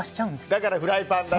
だからフライパンで。